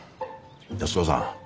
安子さん。